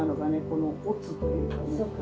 このおつというかね。